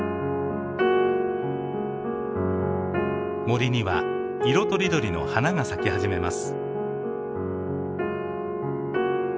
森には色とりどりの花が咲き始めます。